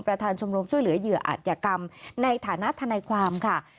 ชมรมช่วยเหลือเหยื่ออาจยกรรมในฐานะทนายความค่ะ